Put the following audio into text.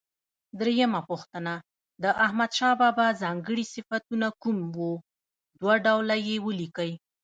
درېمه پوښتنه: د احمدشاه بابا ځانګړي صفتونه کوم و؟ دوه ډوله یې ولیکئ.